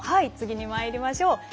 次にまいりましょう。